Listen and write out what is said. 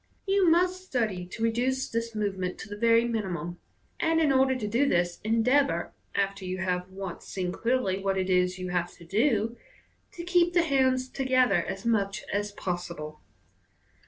You must study to reduce this movement to the very Fig. 4. iC MODERN MAGIC. minimum j and in order to do this, endeavour, after you have once seen clearly what it is you have to do, to keep the hands together as much as possible.